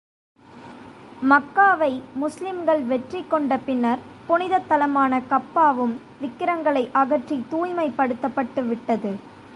மக்காவை முஸ்லிம்கள் வெற்றி கொண்ட பின்னர் புனிதத்தலமான கஃபாவும் விக்கிரங்களை அகற்றித் தூய்மைப் படுத்தப்பட்டு விட்டது.